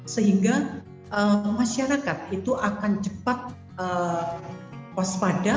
sehingga masyarakat itu akan cepat waspada